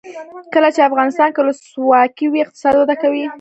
کله چې افغانستان کې ولسواکي وي اقتصاد وده کوي.